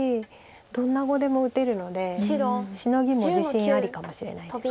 どんな碁でも打てるのでシノギも自信ありかもしれないです。